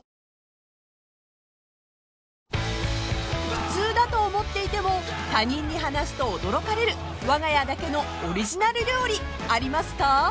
［普通だと思っていても他人に話すと驚かれるわが家だけのオリジナル料理ありますか？］